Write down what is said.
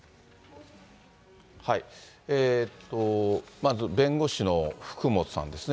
まず弁護士の福本さんですね。